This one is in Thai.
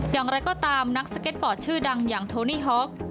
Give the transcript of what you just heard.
อย่างไรก็ตามนักสเก็ตบอร์ดชื่อดังอย่างโทนี่ฮ็อก